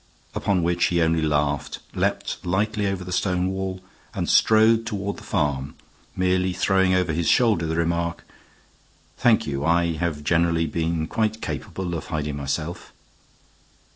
Upon which he only laughed, leaped lightly over the stone wall, and strode toward the farm, merely throwing over his shoulder the remark, "Thank you, I have generally been quite capable of hiding myself."